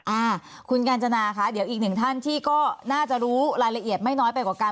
อ่าคุณกาญจนาคะเดี๋ยวอีกหนึ่งท่านที่ก็น่าจะรู้รายละเอียดไม่น้อยไปกว่ากัน